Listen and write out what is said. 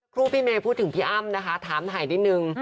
ครูพี่เมย์พูดถึงพี่อ้ำนะคะถามถ่ายนิดนึง